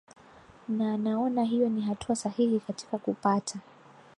na anaona hiyo ni hatua sahihi katika kupata